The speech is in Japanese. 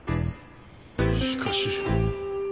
しかし。